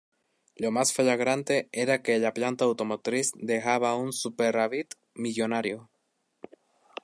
Lo más flagrante era que la planta automotriz dejaba un superávit millonario.